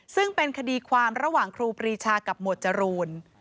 ซึ่งเป็นคดีความระหว่างครูปรีชากับหมวดจรูน